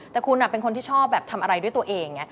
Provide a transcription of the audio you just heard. แต่คุณเป็นคนที่ชอบแบบทำอะไรด้วยตัวเอง